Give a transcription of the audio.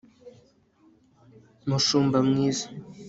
mushumba mwiza